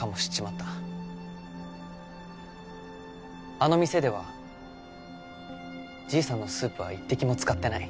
あの店ではじいさんのスープは一滴も使ってない。